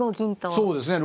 そうですね。